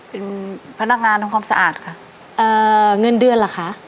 เป็นพนักงานทำความสะอาดค่ะเอ่อเงินเดือนเหรอคะ